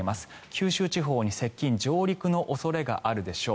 九州地方に接近・上陸の恐れがあるでしょう。